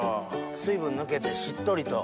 水分抜けてしっとりと。